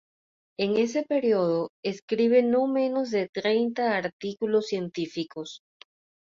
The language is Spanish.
En ese periodo, escribe no menos de treinta artículos científicos.